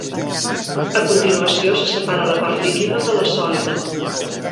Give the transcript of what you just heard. A continuació se separa la part líquida de la sòlida.